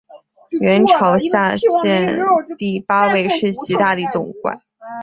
元朝辖下的第八位世袭大理总管。